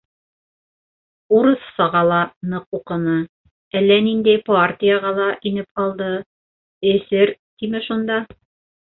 Урыҫсаға ла ныҡ уҡыны, әллә ниндәй партияға ла инеп алды, эсер тиме шунда.